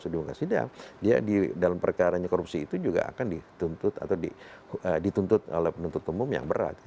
tidak dia di dalam perkara korupsi itu juga akan dituntut atau dituntut oleh penuntut umum yang berat